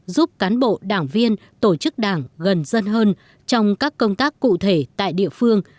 giúp cán bộ đảng viên tổ chức đảng gần dân hơn trong các công tác cụ thể tại địa phương